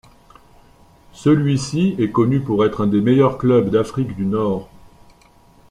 Celui-ci est connu pour être un des meilleurs clubs d'Afrique du Nord.